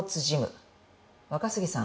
「若杉さん